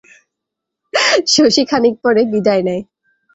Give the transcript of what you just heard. শশী খানিক পরে বিদায় নেয়।